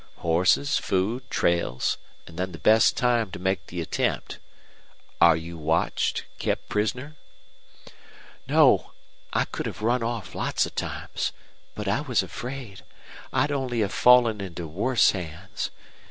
Horses, food, trails, and then the best time to make the attempt. Are you watched kept prisoner?" "No. I could have run off lots of times. But I was afraid. I'd only have fallen into worse hands.